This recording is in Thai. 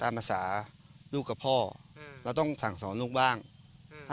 ภาษาลูกกับพ่ออืมเราต้องสั่งสอนลูกบ้างอืม